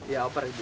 iya oper ibu